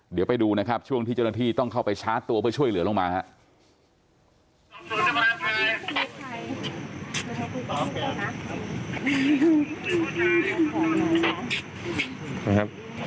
เดี๋ยวไปดูนะครับช่วงที่เจ้าหน้าที่ต้องเข้าไปชาร์จตัวเพื่อช่วยเหลือลงมาครับ